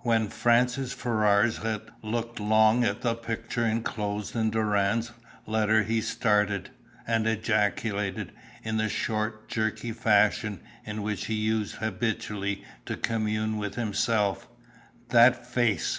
When Francis Ferrars had looked long at the picture enclosed in Doran's letter he started, and ejaculated, in the short, jerky fashion in which he used habitually to commune with himself, "That face!